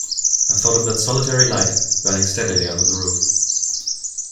I thought of that solitary light burning steadily under the roof.